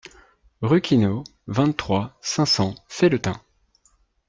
Rue Quinault, vingt-trois, cinq cents Felletin